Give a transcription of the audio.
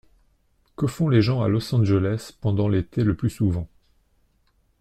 Que font les gens à Los Angeles pendant l’été le plus souvent ?